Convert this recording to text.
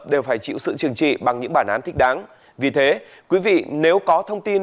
đều phải chịu sự trừng trị bằng những bản án thích đáng vì thế quý vị nếu có thông tin